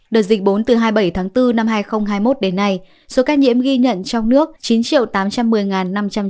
đợt dịch bốn từ hai mươi bảy tháng bốn năm hai nghìn hai mươi một đến nay số ca nhiễm ghi nhận trong nước chín tám trăm một mươi năm trăm linh ca